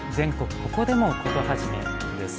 ここでもコトはじめ」です。